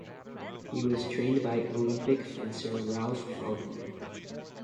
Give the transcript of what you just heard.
He was trained by Olympic fencer Ralph Faulkner.